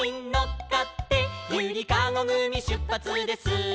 「ゆりかごぐみしゅっぱつです」